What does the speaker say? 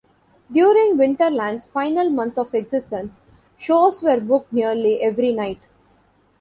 During Winterland's final month of existence, shows were booked nearly every night.